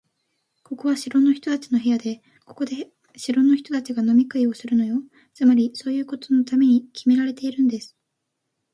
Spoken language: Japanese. ここは城の人たちの部屋で、ここで城の人たちが飲み食いするのよ。つまり、そういうことのためにきめられているんです。